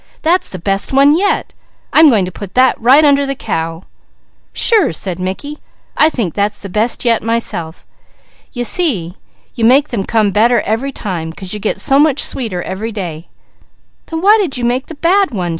That's the best one yet. I'm going to put that right under the cow!" "Sure!" said Mickey. "I think that's the best yet myself. You see, you make them come better every time, 'cause you get so much sweeter every day." "Then why did you make the bad one?"